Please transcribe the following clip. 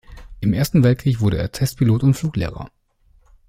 Im Ersten Weltkrieg wurde er Testpilot und Fluglehrer.